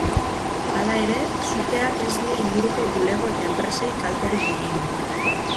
Hala ere, suteak ez die inguruko bulego eta enpresei kalterik egin.